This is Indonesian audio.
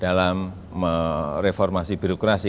dalam reformasi birokrasi